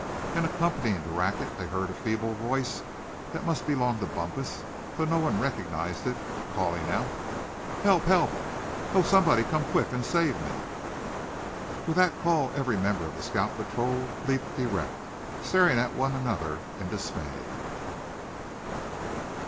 And accompanying the racket they heard a feeble voice that must belong to Bumpus, though no one recognized it, calling out: "Help! help! Oh, somebody come quick, and save me!" With that call every member of the scout patrol leaped erect, staring at one another in dismay.